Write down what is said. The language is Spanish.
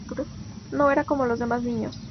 No era como los demás niños.